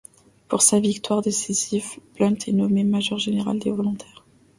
Pour sa victoire décisive, Blunt est nommé major-général des volontaires.